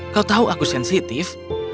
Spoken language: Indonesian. kau tahu aku sensitif